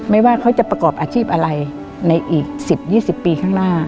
ไม่ว่าเขาจะประกอบอาชีพอะไรในอีก๑๐๒๐ปีข้างหน้า